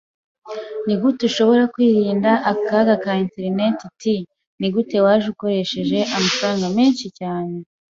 Nigute ushobora kwirinda akaga ka interineti? [T] Nigute waje ukoresheje amafaranga menshi cyane?